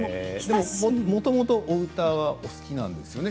もともとお歌はお好きなんですよね。